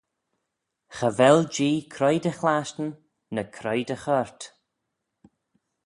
Cha vel Jee croie dy chlashtyn, ny croie dy choyrt.